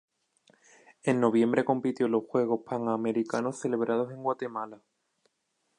En noviembre compitió en los Juegos Pan Americanos celebrados en Guatemala.